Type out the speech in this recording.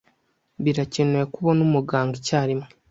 Birakenewe ko ubona umuganga icyarimwe.